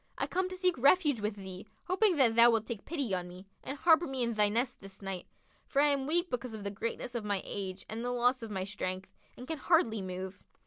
I come to seek refuge with thee, hoping that thou wilt take pity on me and harbour me in thy nest this night; for I am weak because of the greatness of my age and the loss of my strength, and can hardly move.